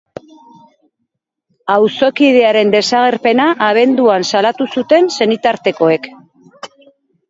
Auzokidearen desagerpena abenduan salatu zuten senitartekoek.